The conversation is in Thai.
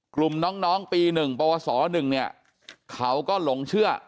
กลุ่มน้องปีหนึ่งปศหนึ่งเนี่ยเขาก็หลงเชื่อ